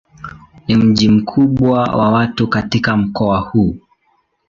Ni mji mkubwa wa tatu katika mkoa huu.